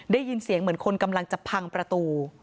ได้ยินเสียงเหมือนคนกำลังจะพังประตู